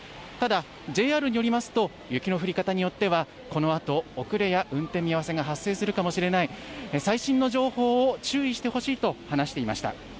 ただ、ＪＲによりますと、雪の降り方によっては、このあと遅れや運転見合わせが発生するかもしれない、最新の情報を注意してほしいと話していました。